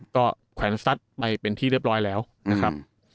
ก็แขวนซัดไปเป็นที่เรียบร้อยแล้วนะครับ